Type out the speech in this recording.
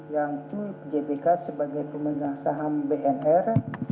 yaitu jbk sebagai pemegang saham bnr